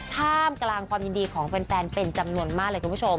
ท่ามกลางความยินดีของแฟนเป็นจำนวนมากเลยคุณผู้ชม